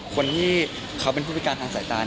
คนที่เขาเป็นผู้พิการทางสายตา